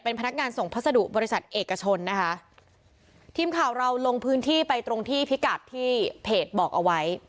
พนักงานส่งพัสดุบริษัทเอกชนนะคะทีมข่าวเราลงพื้นที่ไปตรงที่พิกัดที่เพจบอกเอาไว้